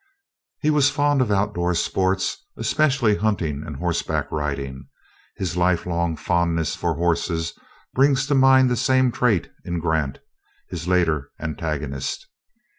He was fond of outdoor sports, especially hunting and horseback riding. His lifelong fondness for horses brings to mind the same trait in Grant, his later antagonist.